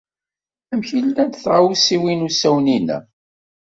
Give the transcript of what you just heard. Amek ay llant tɣawsiwin usawen-inna?